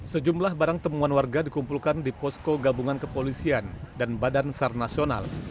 sejumlah barang temuan warga dikumpulkan di posko gabungan kepolisian dan badan sar nasional